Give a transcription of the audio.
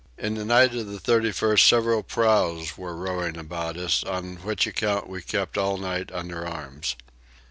In the night of the 31st several prows were rowing about us, on which account we kept all night under arms.